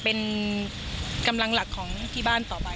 เป็นกำลังหลักของที่บ้านต่อไป